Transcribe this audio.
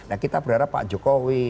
nah kita berharap pak jokowi